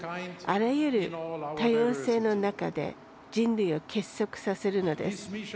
あらゆる多様性の中で人類を結束させるのです。